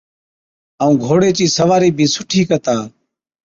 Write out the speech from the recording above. ائُون گھوڙي چِي سوارِي بِي سُٺِي ڪتا،